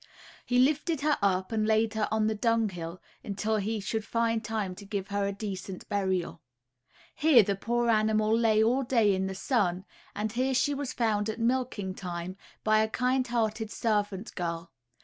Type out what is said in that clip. He lifted her up and laid her on the dunghill, until he should find time to give her a decent burial. Here the poor animal lay all day in the sun, and here she was found at milking time, by a kind hearted servant girl.